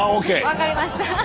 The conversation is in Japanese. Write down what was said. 分かりました。